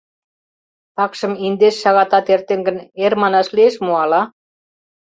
Такшым индеш шагатат эртен гын, эр манаш лиеш мо, ала...